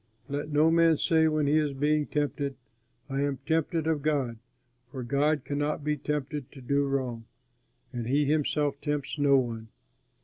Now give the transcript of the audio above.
Let no man say when he is being tempted: "I am tempted of God," for God cannot be tempted to do wrong, and he himself tempts no one.